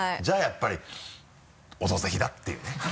じゃあやっぱり「オドぜひ」だっていうね。